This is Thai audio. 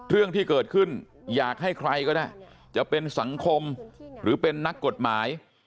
เรื่องที่เกิดขึ้นอยากให้ใครก็ได้จะเป็นสังคมหรือเป็นนักกฎหมาย